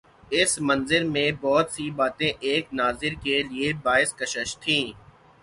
اس منظر میں بہت سی باتیں ایک ناظر کے لیے باعث کشش تھیں۔